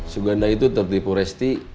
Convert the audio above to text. suganda itu tertipu resti